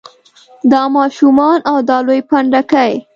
دا ماشومان او دا لوی پنډکی.